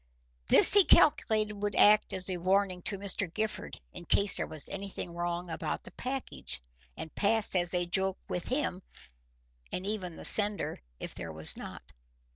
This he calculated would act as a warning to Mr. Gifford in case there was anything wrong about the package, and pass as a joke with him, and even the sender, if there was not.